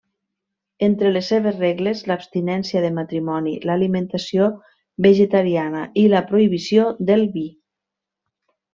Entre les seves regles l'abstinència de matrimoni, l'alimentació vegetariana, i la prohibició del vi.